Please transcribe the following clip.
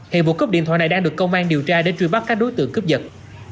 hiện vụ cướp điện thoại này đang được công an điều tra để truy bắt các đối tượng cướp giật